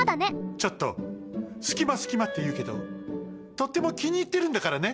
ちょっとすきますきまっていうけどとってもきにいってるんだからね。